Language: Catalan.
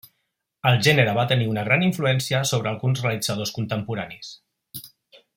El gènere va tenir una gran influència sobre alguns realitzadors contemporanis.